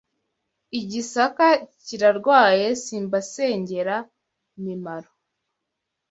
I Gisaka kirarwaye Simbasengera imimaro